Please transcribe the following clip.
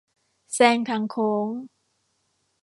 แซงทางโค้ง